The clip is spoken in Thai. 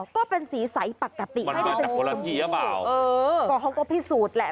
ก็เป็นสีใสปกติมาจากคนละทีหรือเปล่าเออก็เขาก็พิสูจน์แหละ